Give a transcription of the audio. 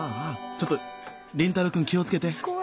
ちょっと凛太郎くん気をつけて！